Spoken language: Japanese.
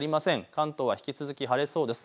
関東は引き続き晴れそうです。